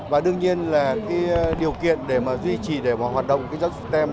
và đương nhiên là điều kiện để mà duy trì để mà hoạt động giáo dục stem